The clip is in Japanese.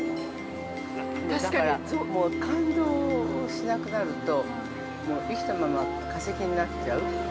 だから、感動をしなくなると、生きたまま化石になっちゃう。